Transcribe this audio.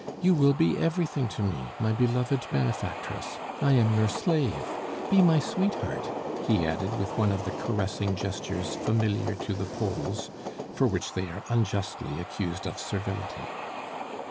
You will be everything to me, my beloved benefactress; I am your slave! Be my sweetheart," he added, with one of the caressing gestures familiar to the Poles, for which they are unjustly accused of servility.